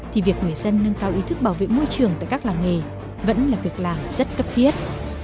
thì việc người dân nâng cao ý thức bảo vệ môi trường tại các làng nghề vẫn là việc làm rất cấp thiết